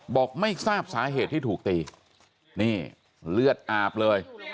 บอกไม่ทราบสาเหตุที่ถูกตีนี่เลือดอาบเลย